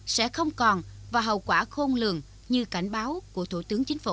sẽ không còn và hậu quả khôn lường như cảnh báo của thủ tướng chính phủ